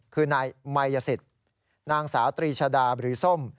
คือนายมายสิทธิ์นางสาวตรีชดาหรือส้ม